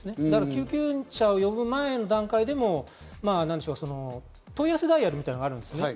救急車を呼ぶ前の段階でも問い合わせダイヤルみたいなのがあるんです。